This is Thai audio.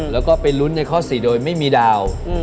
แล้วก็ไปลุ้นในข้อ๔โดยไม่มีดาว